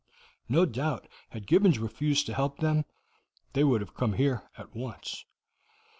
No doubt, had Gibbons refused to help them, they would have come here at once."